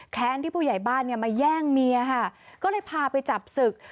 ที่ผู้ใหญ่บ้านเนี่ยมาแย่งเมียค่ะก็เลยพาไปจับศึก